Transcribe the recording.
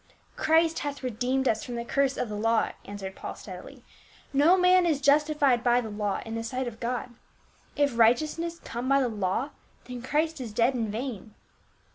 " Christ hath redeemed us from the curse of the law," answered Paul steadily. " No man is justified by the law in the sight of God. If righteousness come by the law, then Chri.st is dead in vain."